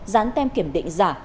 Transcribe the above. dán tem kiểm định giả